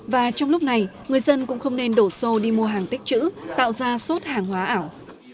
và trong lúc này người dân cũng không nên đổ xô đi mua hàng tích chữ tạo ra sốt hàng hóa ảo